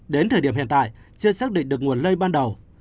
đến thời điểm hiện tại chưa xác định được nguồn lây ban đầu